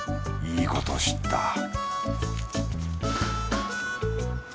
いいこと知った